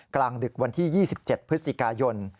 กลางดึกวันที่๒๗พฤศจิกายน